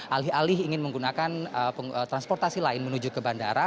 alih alih ingin menggunakan transportasi lain menuju ke bandara